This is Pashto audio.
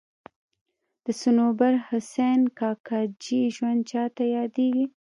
د صنوبر حسین کاکاجي ژوند چاته یادېږي.